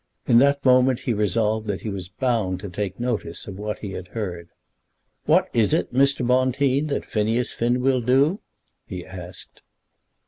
In that moment he resolved that he was bound to take notice of what he had heard. "What is it, Mr. Bonteen, that Phineas Finn will do?" he asked.